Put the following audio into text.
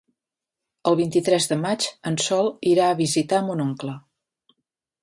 El vint-i-tres de maig en Sol irà a visitar mon oncle.